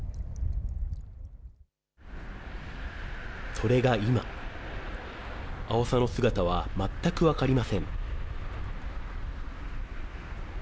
それが今、アオサの姿は全く分かりません。